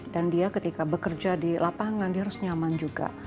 dan dia ketika bekerja di lapangan dia harus nyaman juga